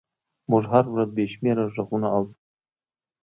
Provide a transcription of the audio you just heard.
موږ هره ورځ بې شمېره غږونه اورو.